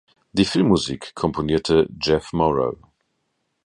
Die Filmmusik komponierte Jeff Morrow.